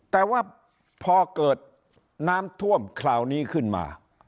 แต่ว่าพอเกิดน้ำท่วมคราวนี้ขึ้นมา